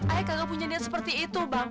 ayah gak punya niat seperti itu bang